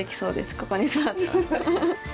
ここに座ったら。